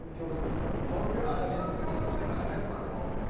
でも満票の場合は１００万のままです。